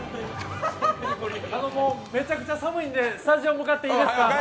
めちゃくちゃ寒いんでスタジオ向かっていいですか？